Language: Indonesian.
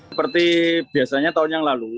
seperti biasanya tahun yang lalu